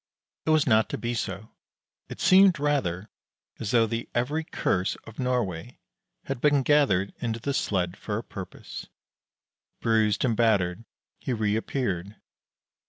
It was not to be so; it seemed rather as though the every curse of Norway had been gathered into the sled for a purpose. Bruised and battered, he reappeared.